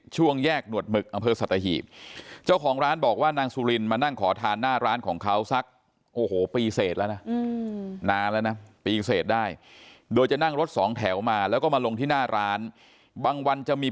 ช่วงแยกหนวดหมึกอำเภอสัตว์ฮีบ